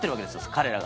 彼らが。